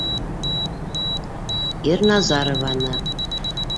Ирназарованы.